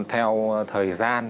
theo thời gian